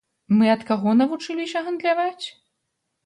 Мы ад каго навучыліся гандляваць?